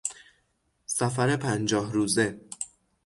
سفر پنجاه روزه